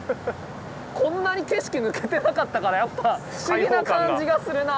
こんなに景色抜けてなかったからやっぱ不思議な感じがするな。